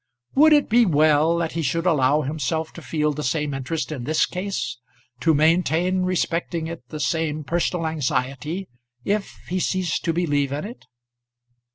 Would it be well that he should allow himself to feel the same interest in this case, to maintain respecting it the same personal anxiety, if he ceased to believe in it?